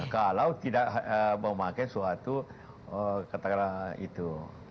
kalau tidak memakai suatu kata kata itu